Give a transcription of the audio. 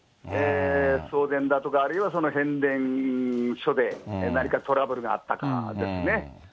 送電だとか、あるいは変電所で何かトラブルがあったかですね。